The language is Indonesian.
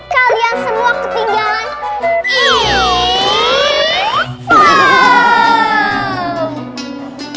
kalian semua ketinggalan info